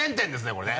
これね。